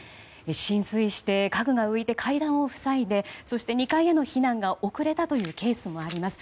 浸水して家具が浮いて階段を塞いで２階への避難が遅れたというケースもあります。